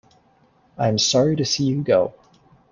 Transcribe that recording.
I'm sorry to see you go.